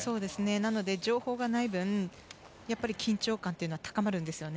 なので情報がない分緊張感というのが高まるんですよね。